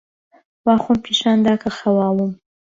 وا خۆم پیشان دا کە خەواڵووم.